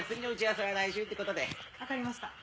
わかりました。